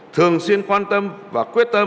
thường xuyên quan tâm và quyết tâm